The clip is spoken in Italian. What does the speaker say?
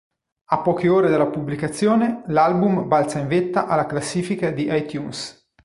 A poche ore dalla pubblicazione l'album balza in vetta alla classifica di iTunes.